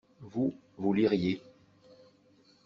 Vous, vous liriez.